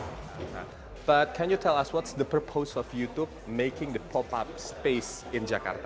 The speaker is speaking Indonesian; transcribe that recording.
tapi bisa anda beritahu kami apa tujuan youtube untuk membuat pop up space di jakarta